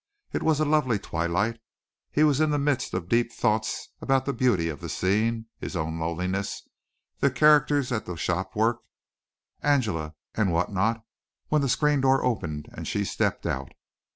It was a lovely twilight. He was in the midst of deep thoughts about the beauty of the scene, his own loneliness, the characters at the shop work, Angela and what not, when the screen door opened and she stepped out.